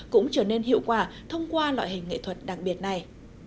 cũng trở nên hiệu quả thông qua loại hình nghệ thuật đặc biệt này